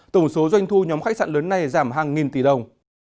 tổng số doanh thu nhóm khách sạn lớn này giảm hàng nghìn tỷ đồng